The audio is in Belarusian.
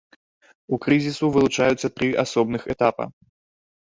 У крызісу вылучаюцца тры асобных этапа.